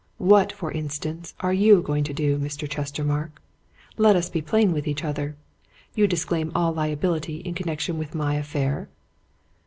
"What, for instance, are you going to do, Mr. Chestermarke? Let us be plain with each other. You disclaim all liability in connection with my affair?"